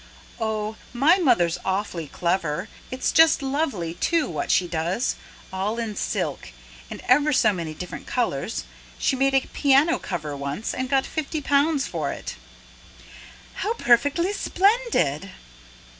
"Oh, my mother's awfully clever. It's just lovely, too, what she does all in silk and ever so many different colours. She made a piano cover once, and got fifty pounds for it." "How perfectly splendid!"